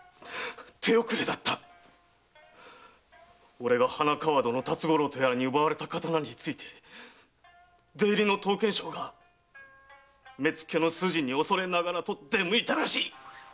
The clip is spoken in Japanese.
俺が花川戸の辰五郎に奪われた刀について出入りの刀剣商が目付の筋に「おそれながら」と出向いたらしい！